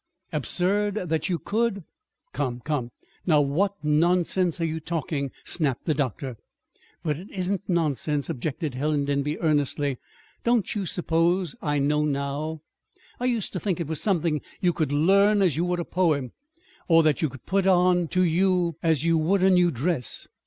"Absurd that you could Come, come! Now what nonsense are you talking?" snapped the doctor. "But it isn't nonsense," objected Helen Denby earnestly. "Don't you suppose I know now? I used to think it was something you could learn as you would a poem, or that you could put on to you, as you would a new dress.